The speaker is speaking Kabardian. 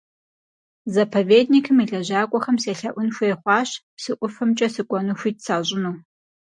Заповедникым и лэжьакӀуэхэм селъэӀун хуей хъуащ, псы ӀуфэмкӀэ сыкӀуэну хуит сащӀыну.